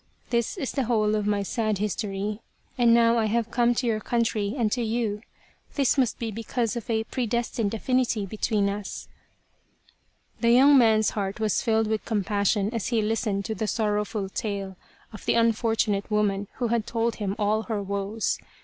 This is the whole of my sad history. And now I have come to your country and to you. This must be because of a predestined affinity between us." The young man's heart was filled with compassion as he listened to the sorrowful tale of the unfortunate woman, who had told him all her woes.